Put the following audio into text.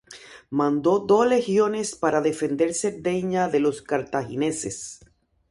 Mandó dos legiones para defender Cerdeña de los cartagineses.